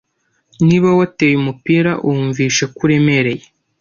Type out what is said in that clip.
Niba wateye umupira wumvishe ko uremereye